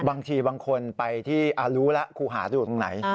บางทีบางคนไปที่รู้แล้วครูหาอยู่ตรงไหน